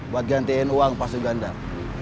buat gantiin uang pas ugan dar